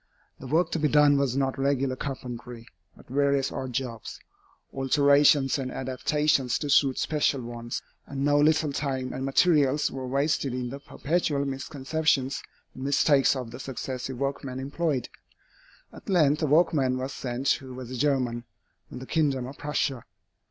The work to be done was not regular carpentry, but various odd jobs, alterations and adaptations to suit special wants, and no little time and materials were wasted in the perpetual misconceptions and mistakes of the successive workmen employed. At length a workman was sent who was a German, from the kingdom of Prussia.